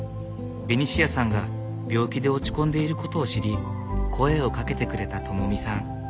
ベニシアさんが病気で落ち込んでいることを知り声をかけてくれた友美さん。